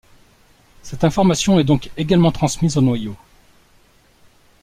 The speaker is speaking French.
Cette information est donc également transmise au noyau.